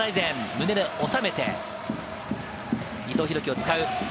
胸で収めて伊藤洋輝を使う。